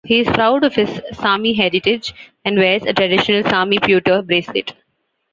He is proud of his Sami heritage, and wears a traditional Sami pewter bracelet.